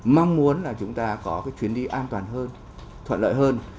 mong muốn là chúng ta có cái chuyến đi an toàn hơn thuận lợi hơn